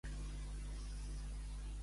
Més en passen pel món que per les Ventalles.